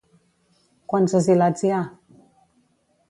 Quants asilats hi ha?